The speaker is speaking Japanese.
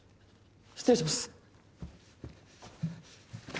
失礼します